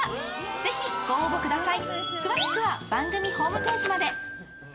ぜひ、ご応募ください。